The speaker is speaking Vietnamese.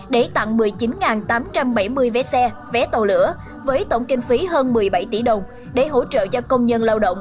để tặng một mươi chín tám trăm bảy mươi vé xe vé tàu lửa với tổng kinh phí hơn một mươi bảy tỷ đồng để hỗ trợ cho công nhân lao động